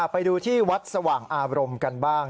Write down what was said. ไปดูที่วัดสว่างอารมณ์กันบ้าง